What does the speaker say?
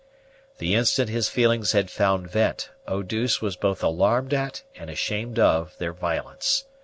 The instant his feelings had found vent, Eau douce was both alarmed at, and ashamed of, their violence.